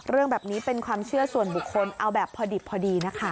เรื่องแบบนี้เป็นความเชื่อส่วนบุคคลเอาแบบพอดิบพอดีนะคะ